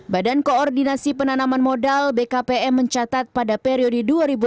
badan koordinasi penanaman modal bkpm mencatat pada periode dua ribu lima belas dua ribu tujuh belas